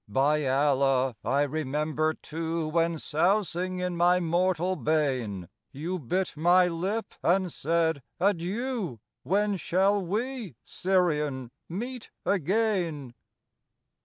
By Allah, I remember, too, When, sousing in my mortal bain, You bit my lip and said, "Adieu, When shall we, Syrian, meet again?"